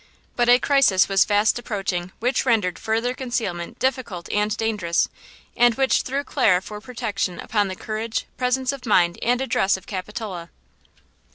But a crisis was fast approaching which rendered further concealment difficult and dangerous, and which threw Clara for protection upon the courage, presence of mind and address of Capitola.